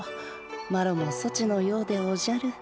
マロもソチのようでおじゃる。